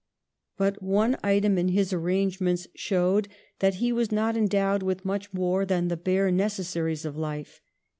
But one item in his arrangements showed that he was not endowed with much more than the bare necessaries of life.